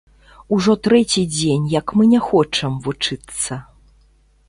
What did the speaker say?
Ужо трэці дзень, як мы не хочам вучыцца.